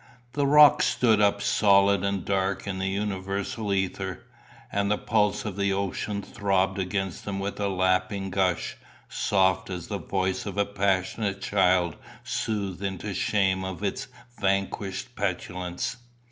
The rocks stood up solid and dark in the universal aether, and the pulse of the ocean throbbed against them with a lapping gush, soft as the voice of a passionate child soothed into shame of its vanished petulance.